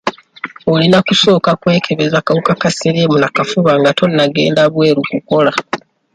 Olina kusooka kwekebeza kawuka ka siriimu n'akafuba nga tonnagenda bweru kukola.